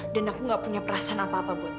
dan aku enggak punya perasaan apa apa buat dia